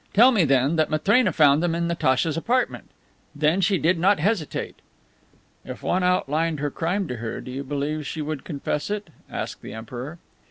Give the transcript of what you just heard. Tell me, then, that Matrena found them in Natacha's apartment. Then, she did not hesitate!" "If one outlined her crime to her, do you believe she would confess it?" asked the Emperor.